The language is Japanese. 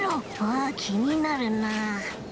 あきになるなあ。